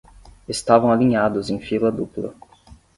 Estavam alinhados em fila dupla